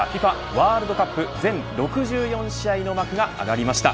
ワールドカップ全６４試合の幕が上がりました。